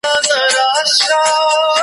یو معلم کلي ته نوی وو راغلی .